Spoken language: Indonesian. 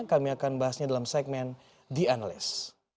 kami akan bahasnya dalam segmen the analyst